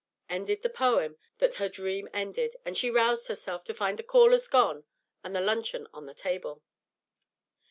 _" ended the poem, that her dream ended, and she roused herself to find the callers gone and luncheon on the table.